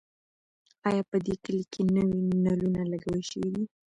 ایا په دې کلي کې نوي نلونه لګول شوي دي؟